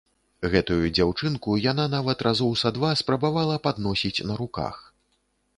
Гэтую дзяўчынку яна нават разоў са два спрабавала падносіць на руках.